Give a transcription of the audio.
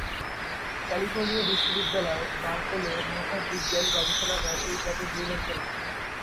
California বিশ্ববিদ্যালয়, Berkeley মহাকাশ বিজ্ঞান গবেষণাগার এই প্যাকেজ নির্মাণ করেছে।